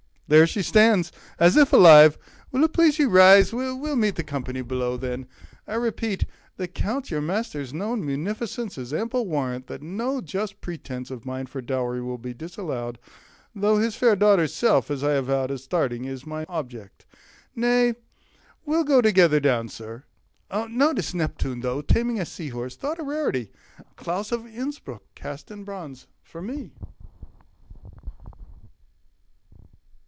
There she stands As if alive. Will't please you rise? We'll meet The company below, then. I repeat, The Count your master's known munificence Is ample warrant that no just pretence 50 Of mine for dowry will be disallowed; Though his fair daughter's self, as I avowed At starting, is my object. Nay, we'll go Together down, sir. Notice Neptune, though, Taming a sea horse, thought a rarity, Which Claus of Innsbruck cast in bronze for me!